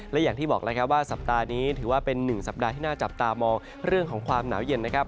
และอย่างที่บอกแล้วครับว่าสัปดาห์นี้ถือว่าเป็น๑สัปดาห์ที่น่าจับตามองเรื่องของความหนาวเย็นนะครับ